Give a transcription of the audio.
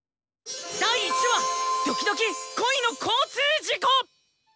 第１話「ドキドキ☆恋の交通事故」。